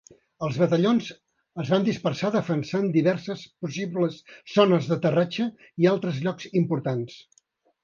Els batallons es van dispersar defensant diverses possibles zones d'aterratge i altres llocs importants.